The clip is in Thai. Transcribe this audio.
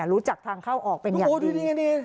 รู้จักทางเข้าออกเป็นอย่างดี